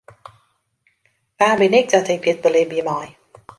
Wa bin ik dat ik dit belibje mei?